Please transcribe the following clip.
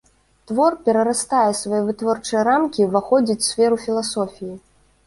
Твор перарастае свае вытворчыя рамкі і ўваходзіць у сферу філасофіі.